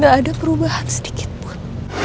gak ada perubahan sedikit pun